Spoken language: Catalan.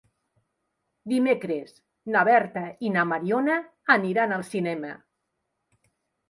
Dimecres na Berta i na Mariona iran al cinema.